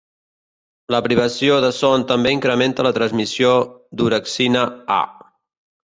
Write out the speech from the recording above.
La privació de son també incrementa la transmissió d'orexina-A.